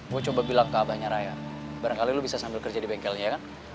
gue coba bilang ke abah nyeraya barangkali lo bisa sambil kerja di bengkelnya ya kan